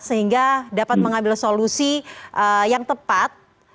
sehingga dapat mengambil solusi yang tepat